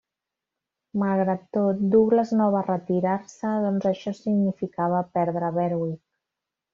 Malgrat tot, Douglas no va retirar-se, doncs això significava perdre Berwick.